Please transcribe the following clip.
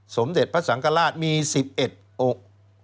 สมเด็จพระสังกราชมี๑๑องค์